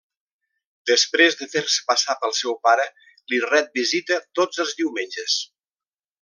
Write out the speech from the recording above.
Després de fer-se passar pel seu pare, li ret visita tots els diumenges.